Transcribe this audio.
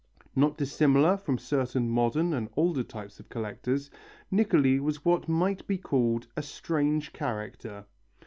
Not dissimilar from certain modern and older types of collectors, Niccoli was what might be called a strange character.